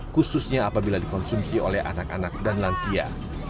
khususnya apabila dikonsumsi oleh anak anak dan lansia